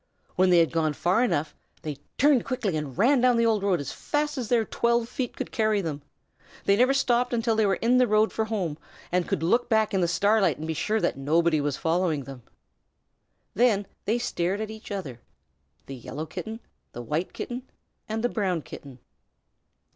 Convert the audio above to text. When they had gone far enough, they turned quickly and ran down the old road as fast as their twelve feet could carry them. They never stopped until they were in the road for home and could look back in the starlight and be sure that nobody was following them. Then they stared at each other the Yellow Kitten, the White Kitten, and the Brown Kitten.